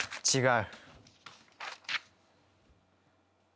違う。